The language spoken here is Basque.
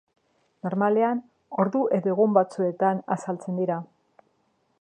Normalean, ordu edo egun batzuetan azaltzen dira.